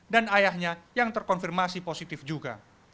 dan ayahnya yang terkonfirmasi positif juga